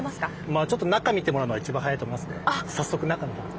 ちょっと中見てもらうのが一番早いと思いますんで早速中のほうに。